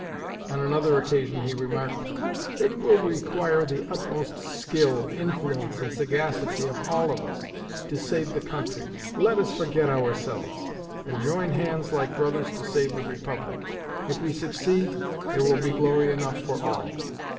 On another occasion he remarked: "It will require the utmost skill, influence, and sagacity of all of us, to save the country; let us forget ourselves, and join hands like brothers to save the Republic. If we succeed, there will be glory enough for all."